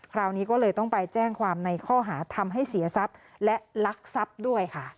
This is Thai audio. คราวนี้ก็เลยต้องไปแจ้งความในข้อหาทำให้เสียทรัพย์และลักทรัพย์ด้วยค่ะ